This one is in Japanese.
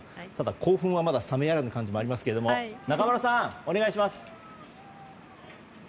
興奮は冷めやらぬ感じもありますが中丸さん、お願いします。